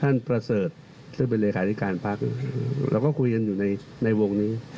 ประเสริฐซึ่งเป็นเลขาธิการพักเราก็คุยกันอยู่ในวงนี้